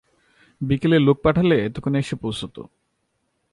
বিকেলে লোক পাঠালে এতক্ষণে এসে পৌছত!